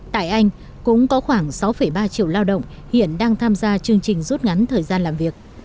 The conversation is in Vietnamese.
tại anh cũng có khoảng sáu ba triệu lao động hiện đang tham gia chương trình rút ngắn thời gian làm việc